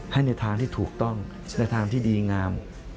ให้ในทางที่ถูกต้องในทางที่ดีงาม